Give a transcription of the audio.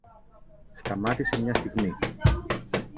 Σταμάτησε μια στιγμή.